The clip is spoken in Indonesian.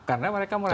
karena mereka merasa